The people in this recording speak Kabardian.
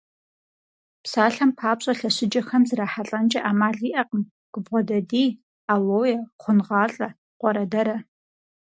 Псалъэм папщӏэ, лъэщыджэхэм зрахьэлӏэнкӏэ ӏэмал иӏэкъым губгъуэдадий, алоэ, хъунгъалӏэ, къуэрэдэрэ.